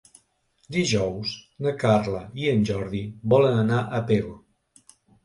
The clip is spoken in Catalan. Dijous na Carla i en Jordi volen anar a Pego.